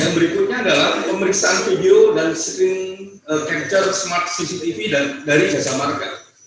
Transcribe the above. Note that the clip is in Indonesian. selanjutnya adalah pemeriksaan video dan screen capture smart cctv dari jasa markah